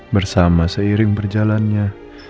bersama seiring berjalannya